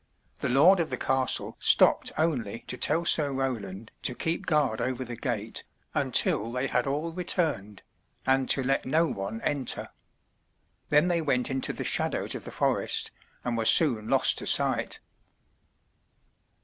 The lord of the castle stopped only to tell Sir Roland to keep guard over the gate until they had all returned, and to let no one enter. Then they went into the shadows of the forest, and were soon lost to sight.